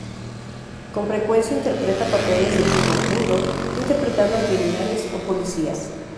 Con frecuencia interpreta papeles de "tipo rudo", interpretando a criminales o policías.